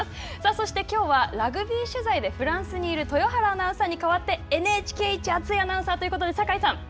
そしてきょうは、ラグビー取材でフランスにいる豊原アナウンサーに代わって、ＮＨＫ一熱いアナウンサーということで、酒井さん。